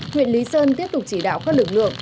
huyện lý sơn tiếp tục chỉ đạo các lực lượng